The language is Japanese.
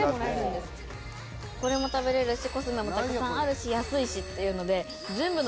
これも食べれるしコスメもたくさんあるし安いしっていうので。